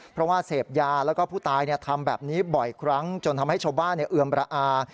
เพราะว่าเสพยาแล้วก็ผู้ตายทำแบบนี้บ่อยครั้งจนทำให้ชาวบ้านเอือมระอา